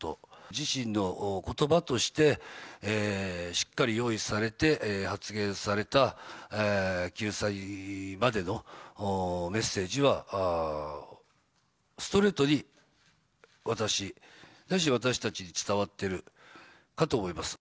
自身のことばとして、しっかり用意されて、発言された救済までのメッセージは、ストレートに私、私たちに伝わってるかと思います。